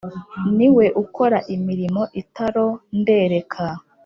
Niwe ukora imirimo itarondereka